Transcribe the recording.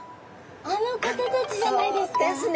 あの方たちじゃないですか？